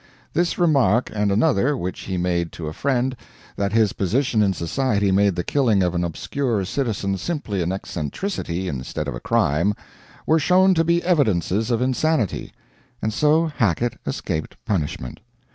This remark, and another which he made to a friend, that his position in society made the killing of an obscure citizen simply an "eccentricity" instead of a crime, were shown to be evidences of insanity, and so Hackett escaped punishment.